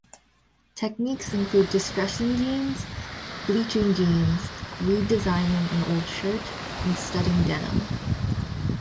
Techniques include distressing jeans, bleaching jeans, redesigning an old shirt, and studding denim.